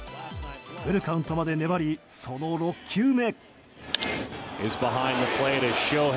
フルカウントまで粘りその６球目。